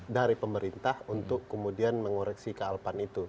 dari pemerintah untuk kemudian mengoreksi kealpan itu